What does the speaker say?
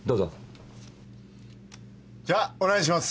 じゃお願いします。